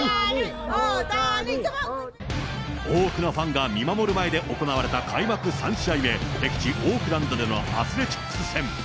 多くのファンが見守る前で行われた開幕３試合目、敵地、オークランドでのアスレチックス戦。